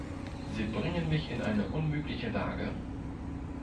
Sie bringen mich in eine unmögliche Lage.